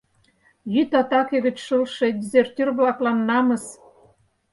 «Йӱд атаке гыч шылше дезертир-влаклан намыс!»